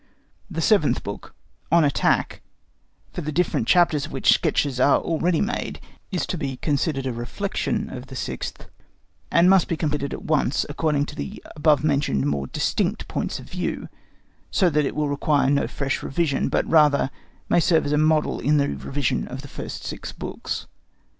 The seventh book—on attack—for the different chapters of which sketches are already made, is to be considered as a reflection of the sixth, and must be completed at once, according to the above mentioned more distinct points of view, so that it will require no fresh revision, but rather may serve as a model in the revision of the first six books.